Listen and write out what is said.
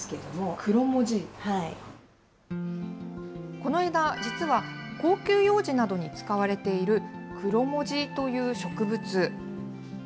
この枝、実は高級ようじなどに使われている、クロモジという植物。